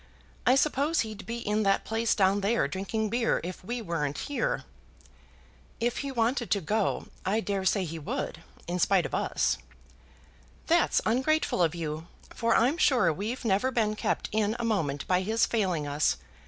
I suppose he'd be in that place down there drinking beer, if we weren't here." "If he wanted to go, I dare say he would, in spite of us." "That's ungrateful of you, for I'm sure we've never been kept in a moment by his failing us.